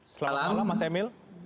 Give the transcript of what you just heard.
selamat malam mas emil